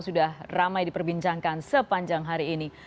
sudah ramai diperbincangkan sepanjang hari ini